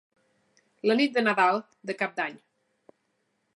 La nit de Nadal, de Cap d'Any.